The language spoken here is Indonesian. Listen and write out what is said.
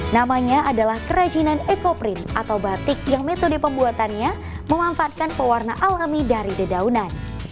namanya adalah kerajinan ekoprint atau batik yang metode pembuatannya memanfaatkan pewarna alami dari dedaunan